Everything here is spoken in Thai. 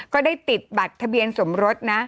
ก็ได้ติดบัตรทะเบียนสมรสนะ